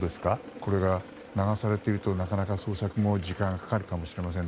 これが流されているとなかなか捜索も時間がかかるかもしれません。